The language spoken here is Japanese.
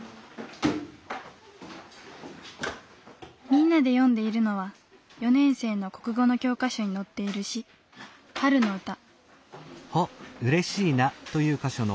みんなで読んでいるのは４年生の国語の教科書に載っている詩「春のうた」。